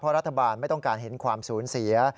รัฐบาลไม่ต้องการเห็นความสูญเสีย